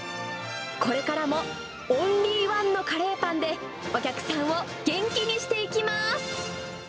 これからもオンリーワンのカレーパンで、お客さんを元気にしていきます。